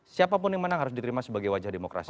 siapapun yang menang harus diterima sebagai wajah demokrasi